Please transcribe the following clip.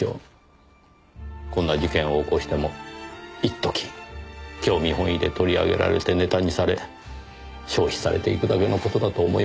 こんな事件を起こしても一時興味本位で取り上げられてネタにされ消費されていくだけの事だと思いますよ。